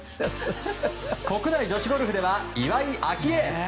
国内女子ゴルフでは岩井明愛。